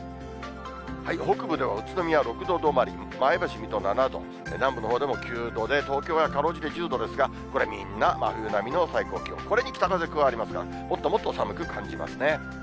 北部では宇都宮６度止まり、前橋、水戸７度、南部のほうでも９度で、東京がかろうじて１０度ですが、これみんな、真冬並みの最高気温、これに北風加わりますから、もっともっと寒く感じますね。